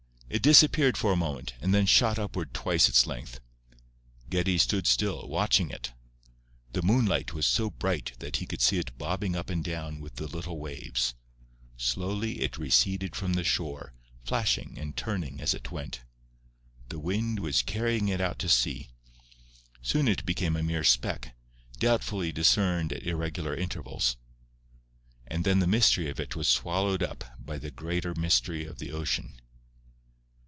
It disappeared for a moment, and then shot upward twice its length. Geddie stood still, watching it. The moonlight was so bright that he could see it bobbing up and down with the little waves. Slowly it receded from the shore, flashing and turning as it went. The wind was carrying it out to sea. Soon it became a mere speck, doubtfully discerned at irregular intervals; and then the mystery of it was swallowed up by the greater mystery of the ocean.